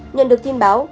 nhận được tin báo